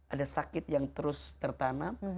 ada sakit yang terus tertanam